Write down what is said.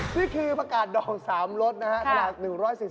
นี่คือพระกาศดอง๓รถนะฮะตลาด๑๔๓บาท